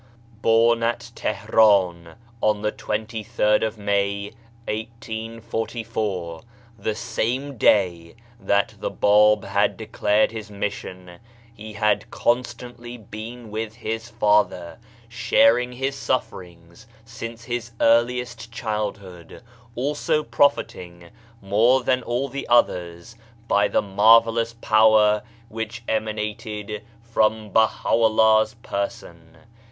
Born at Tihran on the 23rd of May 1844, the same day that the Bab had declared his mission, he had constantly been with his father, sharing his sufferings since his earliest childhood, also profiting more than all the others by the marvellous power which emanated from Baha'u'llah's person.